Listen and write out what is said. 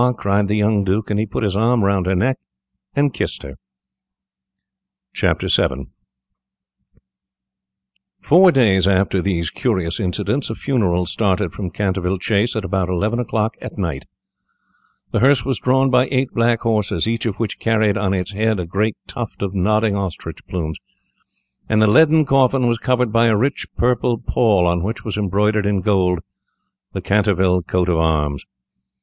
cried the young Duke, and he put his arm round her neck, and kissed her. VII [Illustration: "BY THE SIDE OF THE HEARSE AND THE COACHES WALKED THE SERVANTS WITH LIGHTED TORCHES"] Four days after these curious incidents, a funeral started from Canterville Chase at about eleven o'clock at night. The hearse was drawn by eight black horses, each of which carried on its head a great tuft of nodding ostrich plumes, and the leaden coffin was covered by a rich purple pall, on which was embroidered in gold the Canterville coat of arms.